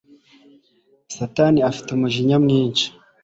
satani afite umujinya mwinshi